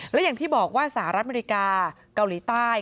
และอย่างที่บอกว่าสหรัฐอเมริกาเกาหลีใต้